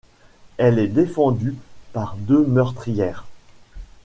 Elle est défendue par deux meurtrières.